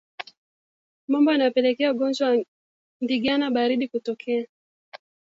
Mambo yanayopelekea ugonjwa wa ndigana baridi kutokea